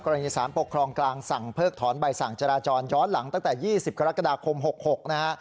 กรณีสารปกครองกลางสั่งเพิกถอนใบสั่งจราจรย้อนหลังตั้งแต่๒๐กรกฎาคม๖๖นะฮะ